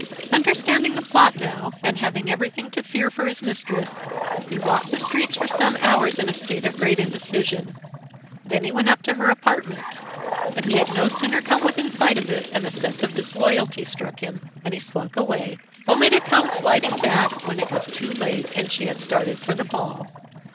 Understanding the plot now, and having everything to fear for his mistress, he walked the streets for some hours in a state of great indecision. Then he went up to her apartment. But he had no sooner come within sight of it than a sense of disloyalty struck him and he slunk away, only to come sidling back when it was too late and she had started for the ball.